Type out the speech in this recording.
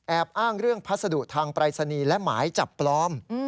อ้างเรื่องพัสดุทางปรายศนีย์และหมายจับปลอม